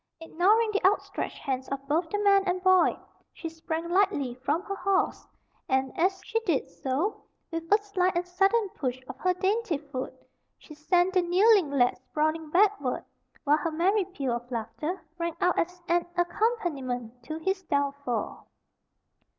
Ignoring the outstretched hands of both the man and boy, she sprang lightly from her horse, and, as she did so, with a sly and sudden push of her dainty foot, she sent the kneeling lad sprawling backward, while her merry peal of laughter rang out as an accompaniment to his downfall.